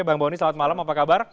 bang boni selamat malam apa kabar